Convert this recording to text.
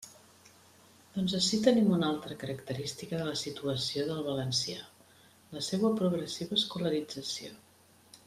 Doncs ací tenim una altra característica de la situació del valencià: la seua progressiva escolarització.